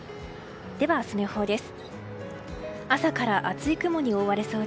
では、明日の予報です。